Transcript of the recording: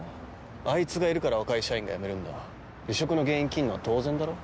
あいつがいるから若い社員が辞めるんだ離職の原因切んのは当然だろ？